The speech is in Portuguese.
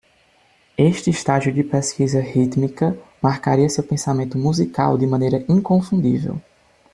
Este estágio de pesquisa rítmica marcaria seu pensamento musical de maneira inconfundível.